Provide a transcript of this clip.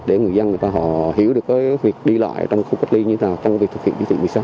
để người dân người ta họ hiểu được việc đi lại trong khu cách ly như thế nào trong việc thực hiện chỉ thị một mươi sáu